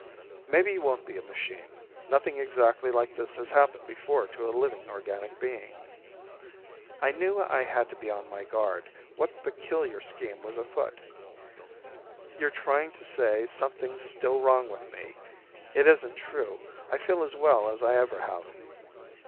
"Maybe you won't be a machine. Nothing exactly like this has happened before to a living organic being." I knew I had to be on my guard. What peculiar scheme was afoot? "You're trying to say something's still wrong with me. It isn't true. I feel as well as I ever have."